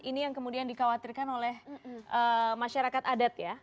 ini yang kemudian dikhawatirkan oleh masyarakat adat ya